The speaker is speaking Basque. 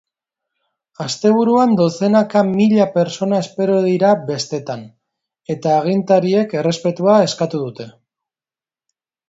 Asteburuan dozenaka mila pertsona espero dira bestetan, eta agintariek errespetua eskatu dute.